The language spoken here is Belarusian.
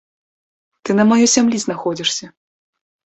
Ты на маёй зямлі знаходзішся!